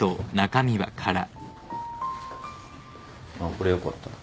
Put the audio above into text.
これよかったら。